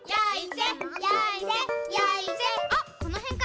あっこのへんかな？